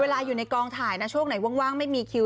อยู่ในกองถ่ายนะช่วงไหนว่างไม่มีคิว